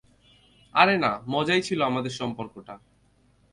আরে না, মজাই ছিল আমাদের সম্পর্কটা।